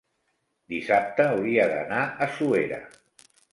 Dissabte hauria d'anar a Suera.